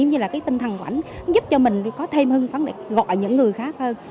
giúp như là cái tinh thần của anh giúp cho mình có thêm hưng phấn để gọi những người khác hơn